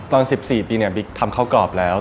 ตอน๑๔ปีเนี่ยบิ๊กทำข้าวกรอบแล้ว